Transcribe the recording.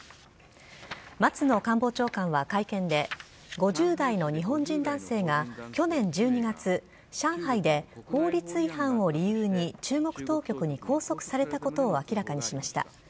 松野官房長官は会見で５０代の日本人男性が去年１２月上海で、法律違反を理由に中国当局に拘束されたことを明らかにしました。